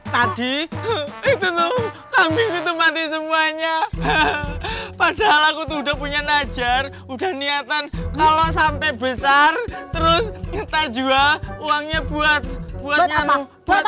tadi itu tuh padahal aku udah punya najar udah niatan kalau sampai besar terus uangnya buat buat